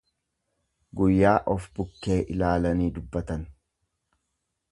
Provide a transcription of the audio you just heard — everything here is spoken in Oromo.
Guyyaa of bukkee ilaalanii dubbatan.